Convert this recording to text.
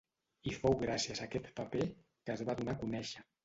I fou gràcies a aquest paper que es va donar a conèixer.